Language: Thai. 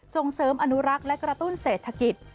ส่งเสริมอนุรักษ์และกระตุ้นเศรษฐกิจ